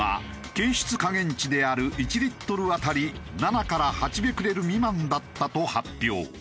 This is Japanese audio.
検出下限値である１リットル当たり７から８ベクレル未満だったと発表。